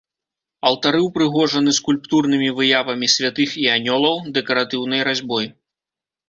Алтары ўпрыгожаны скульптурнымі выявамі святых і анёлаў, дэкаратыўнай разьбой.